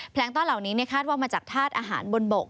งต้อนเหล่านี้คาดว่ามาจากธาตุอาหารบนบก